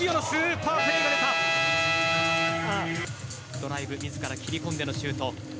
ドライブ自ら切り込んでのシュート。